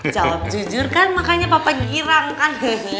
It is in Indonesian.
jawab jujur kan makanya papa girang kan